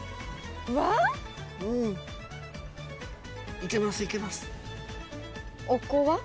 いけますいけます。